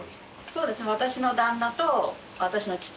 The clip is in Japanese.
そうですか。